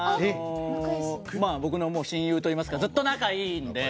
僕の親友といいますかずっと仲がいいので。